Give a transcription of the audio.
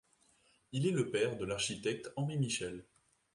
Il est le père de l'architecte Henri Michel.